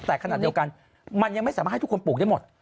แต่ขณะเดียวกันมันยังไม่สามารถให้ทุกคนปลูกได้หมด